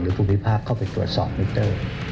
หรือผู้พิพากษ์เข้าไปตรวจสอบมิตเตอร์